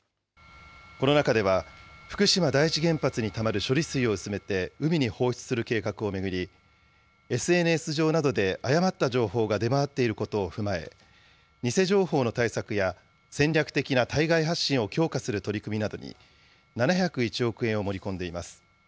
この中では、福島第一原発にたまる処理水を薄めて海に放出する計画を巡り、ＳＮＳ上などで誤った情報が出回っていることを踏まえ、偽情報の対策や、戦略的な対外発信を強化する取り組みなどに、７０１億円を盛り込んでいます。